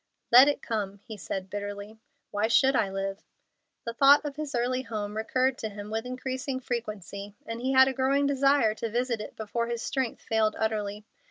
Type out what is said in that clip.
"Let it come," he said, bitterly. "Why should I live?" The thought of his early home recurred to him with increasing frequency, and he had a growing desire to visit it before his strength failed utterly.